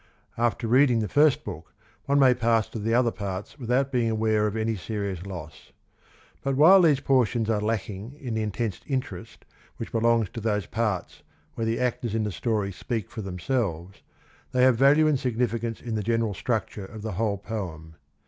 After reading the first book, one may pass to the other parts without being aware of any serious loss. But while these portions are lack ing in the intense interest which belongs to those parts where the actors in the story speak for themselves, they have value and significance in the general structure of the whole poem.